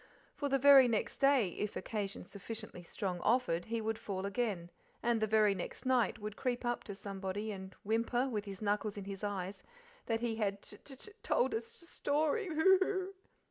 For the very next day, if occasion sufficiently strong offered, he would fall again, and the very next night would creep up to somebody and whimper, with his knuckles in his eyes, that he had "t t told a s s story, boo hoo!"